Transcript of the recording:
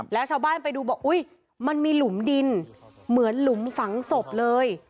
แล้วชาวบ้านไปดูบอกอุ๊ยมันมีหลุมดินเหมือนหลุมฝังศพเลย